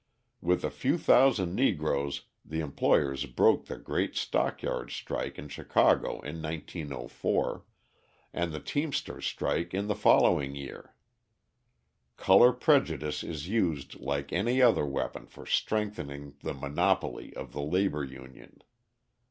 With a few thousand Negroes the employers broke the great stockyards strike in Chicago in 1904, and the teamsters' strike in the following year. Colour prejudice is used like any other weapon for strengthening the monopoly of the labour union.